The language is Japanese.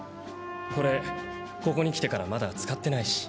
これここに来てからまだ使ってないし。